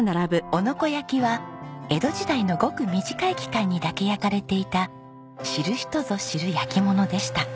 男ノ子焼は江戸時代のごく短い期間にだけ焼かれていた知る人ぞ知る焼き物でした。